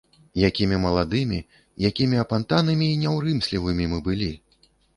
Якімі маладымі, якімі апантанымі і няўрымслівымі мы былі.